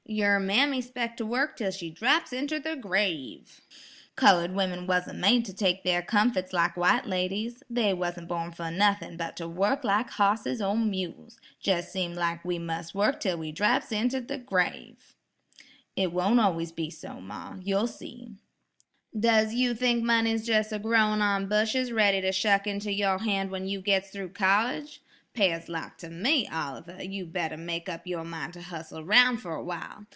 yer mammy 'spec' to wurk 'tell she draps inter the grave. Colored women wasn't made to take their comfit lak white ladies. They wasn't born fer nuthin' but ter wurk lak hosses or mules. Jes' seems lak we mus' wurk 'tell we draps into the grave." "It won't be so always, ma. You'll see." "Does you think money's jes' a growin' on bushes ready to shuck into your hand when you gits through college? Pears lak to me, Oliver, you'd better make up yer min' to hussle aroun' fer awhile.